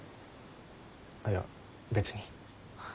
いや別に。